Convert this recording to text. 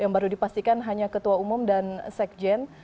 yang baru dipastikan hanya ketua umum dan sekjen